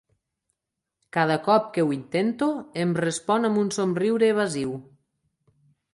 Cada cop que ho intento em respon amb un somriure evasiu.